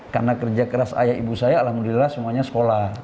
karena kerja keras ayah ibu saya alhamdulillah semuanya sekolah